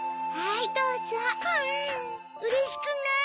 うれしくない。